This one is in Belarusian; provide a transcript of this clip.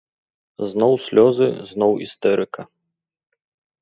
Зноў слёзы, зноў істэрыка!